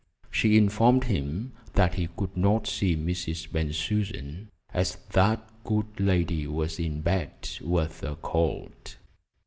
She informed him that he could not see Mrs. Bensusan, as that good lady was in bed with a cold.